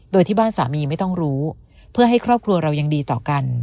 โดยที่บ้านสามีไม่ต้องรู้เพื่อให้ครอบครัวเรายังดีต่อกัน